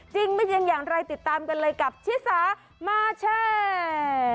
จริงไม่จริงอย่างไรติดตามกันเลยกับชิสามาแชร์